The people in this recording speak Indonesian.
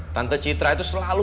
tante citra itu selalu